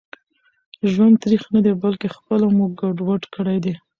ژوند تريخ ندي بلکي خپله مو ګډوډ کړي دي